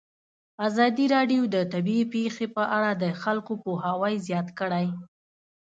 ازادي راډیو د طبیعي پېښې په اړه د خلکو پوهاوی زیات کړی.